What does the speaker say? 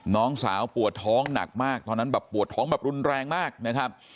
น้องสาวปวดท้องหนักมากตอนนั้นแบบปวดท้องแบบรุนแรงมากนะครับ